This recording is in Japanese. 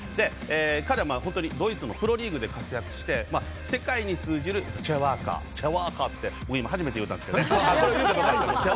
彼、本当にドイツのプロリーグで活躍して世界に通じるチェアワーカー「チェアワーカー」って今、初めて言うたんですけどね。